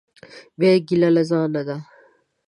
بیا یې ګیله له ځانه ده.